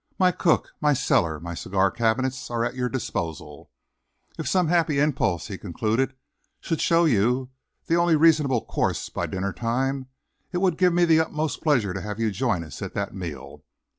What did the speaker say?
My cook, my cellar, my cigar cabinets, are at your disposal. If some happy impulse," he concluded, "should show you the only reasonable course by dinnertime, it would give me the utmost pleasure to have you join us at that meal.